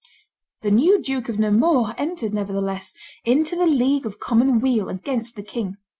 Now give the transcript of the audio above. The new Duke of Nemours entered, nevertheless, into the League of Common Weal against the king.